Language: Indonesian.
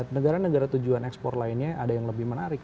negara negara tujuan ekspor lainnya ada yang lebih menarik